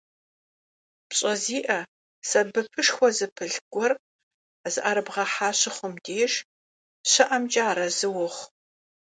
ПщӀэ зиӀэ, сэбэпышхуэ зыпылъ гуэр зыӀэрыбгъэхьэ щымыхъум деж щыӀэмкӀэ арэзы уохъу.